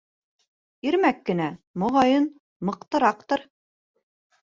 Ирмәк кенә, моғайын, мыҡтыраҡтыр.